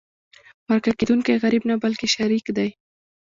مرکه کېدونکی غریب نه بلکې شریك دی.